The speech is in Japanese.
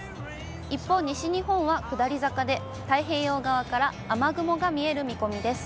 一方、西日本は下り坂で、太平洋側から雨雲が見える見込みです。